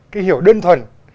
cái hiểu đơn thuần